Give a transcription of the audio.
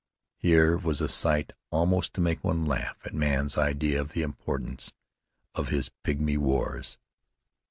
Here was a sight almost to make one laugh at man's idea of the importance of his pygmy wars.